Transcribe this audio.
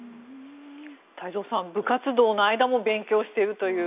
太蔵さん、部活動の間も勉強しているという。